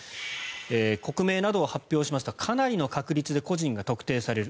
国名などを発表するとかなりの確率で個人が特定される。